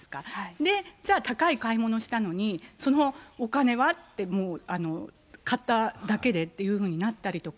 で、じゃあ、高い買い物したのに、そのお金は？って、もう、買っただけでっていうふうになったりとか。